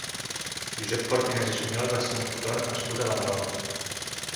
Josep Cortinas i Suñol va ser un fotògraf nascut a Badalona.